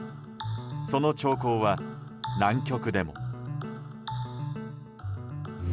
その兆候は南極でも。